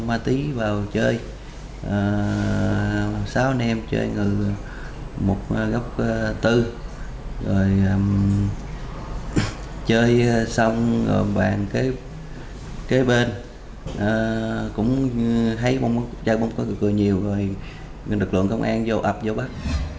sáu anh em chơi ngừ một góc bốn rồi chơi xong vàng kế bên cũng thấy chạy bông có cười nhiều rồi lực lượng công an vô ập vô bắt